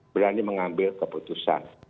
berani mengambil keputusan